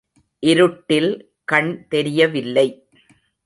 இருட்டில் கண் தெரியவில்லை.